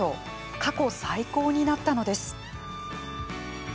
過去最高になったのです。